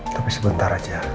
tapi sebentar aja